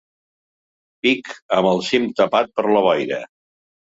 Pic amb el cim tapat per la boira.